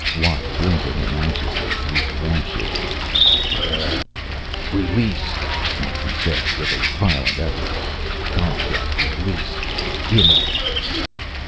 Watt blinked at him anxiously through the lamp shade. "Urgh ... Ur release," Martin said, with a violent effort. "Contract release. Gimme."